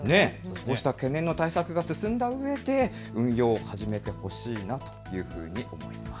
こうした懸念の対策が進んだうえで運用を始めてほしいなというふうに思っています。